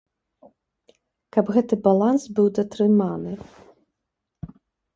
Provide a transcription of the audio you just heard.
Каб гэты баланс быў датрыманы.